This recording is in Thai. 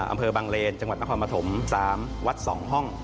อำเภอบังเลนจังหวัดนครปฐม๓วัด๒ห้อง